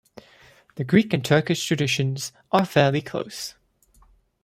The Greek and Turkish traditions are fairly close.